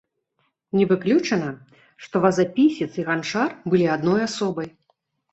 Не выключана, што вазапісец і ганчар былі адной асобай.